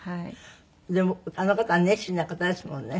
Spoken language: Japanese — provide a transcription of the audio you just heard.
でもあの方は熱心な方ですもんね。